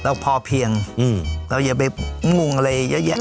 เราพอเพียงเราอย่าไปงงอะไรเยอะแยะ